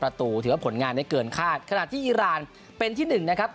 ถือว่าผลงานได้เกินคาดขณะที่อีรานเป็นที่หนึ่งนะครับ